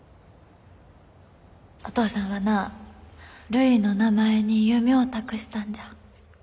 お父さんはなるいの名前に夢ょお託したんじゃ。